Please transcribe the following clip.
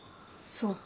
そうか。